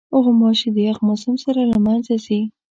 غوماشې د یخ موسم سره له منځه ځي.